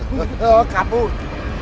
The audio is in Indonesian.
jangan pak landung